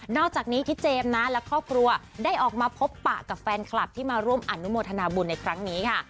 อกจากนี้ที่เจมส์นะและครอบครัวได้ออกมาพบปะกับแฟนคลับที่มาร่วมอนุโมทนาบุญในครั้งนี้ค่ะ